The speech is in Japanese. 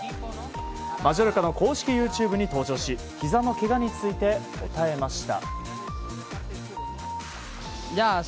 マジョルカの公式ＹｏｕＴｕｂｅに登場し、ひざのけがについて答えました。